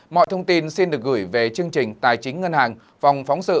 mọi thông tin xin được gửi về chương trình tài chính ngân hàng phòng phóng sự